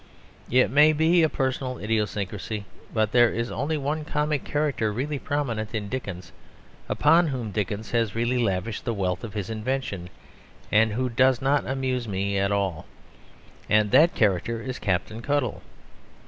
It may be a personal idiosyncrasy, but there is only one comic character really prominent in Dickens, upon whom Dickens has really lavished the wealth of his invention, and who does not amuse me at all, and that character is Captain Cuttle.